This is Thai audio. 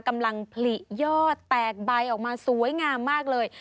กำลังผลิยอดแตกใบออกมาสวยงามมากเลย